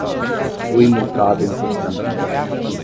Fui multado injustamente